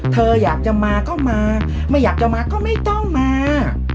เธออยากจะมาก็มาไม่อยากจะมาก็ไม่ต้องมา